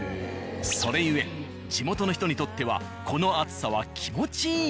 それゆえ地元の人にとってはこの熱さは気持ちいいようで。